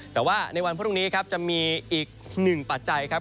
แต่ว่าในวันพรุ่งนี้ครับจะมีอีกหนึ่งปัจจัยครับ